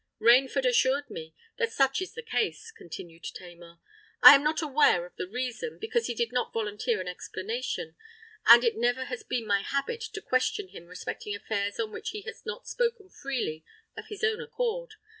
"Rainford assured me that such is the case," continued Tamar. "I am not aware of the reason, because he did not volunteer an explanation; and it never has been my habit to question him respecting affairs on which he has not spoken freely of his own accord.